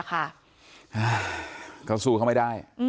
ก็สู้เขาไม่ได้